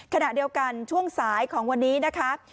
ขณะเดียวกันช่วงสายของวันนี้นะคะ